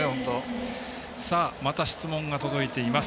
また質問が届いています。